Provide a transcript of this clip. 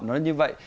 nó như vậy